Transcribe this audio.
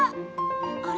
あれ？